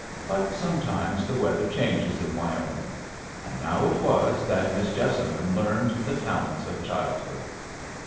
But sometimes the weather changes in Wyoming; and now it was that Miss Jessamine learned the talents of childhood.